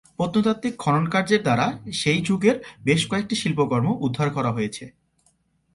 প্রত্নতাত্ত্বিক খননকার্যের দ্বারা সেই যুগের বেশ কয়েকটি শিল্পকর্ম উদ্ধার করা হয়েছে।